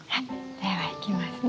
ではいきますね。